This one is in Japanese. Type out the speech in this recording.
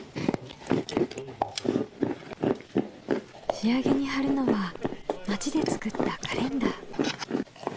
仕上げに貼るのは町で作ったカレンダー。